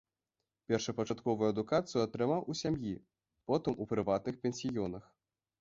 Першапачатковую адукацыю атрымаў у сям'і, потым у прыватных пансіёнах.